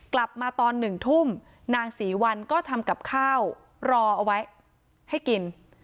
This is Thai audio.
กลับมาตอน๑ทุ่มนางศรีวัลก็ทำกับข้าวรอเอาไว้ให้กิน